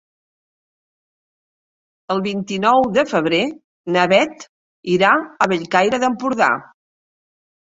El vint-i-nou de febrer na Beth irà a Bellcaire d'Empordà.